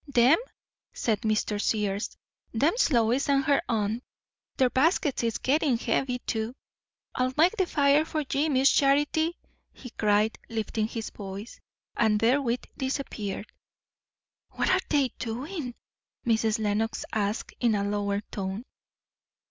"Them?" said Mr. Sears. "Them's Lois and her aunt. Their baskets is gettin' heavy, too. I'll make the fire for ye, Miss Charity," he cried, lifting his voice; and therewith disappeared. "What are they doing?" Mrs. Lenox asked, in a lower tone.